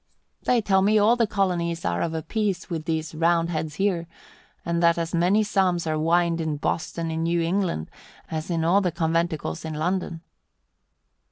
"They tell me all the colonies are of a piece with these Roundheads here, and that as many psalms are whined in Boston in New England as in all the conventicles in London."